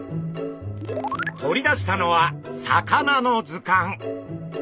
取り出したのは魚の図鑑。